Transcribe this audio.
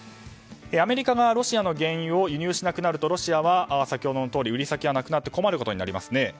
アメリカがロシアの原油を輸入しなくなるとロシアは、先ほどのとおり売り先がなくなって困ることになります。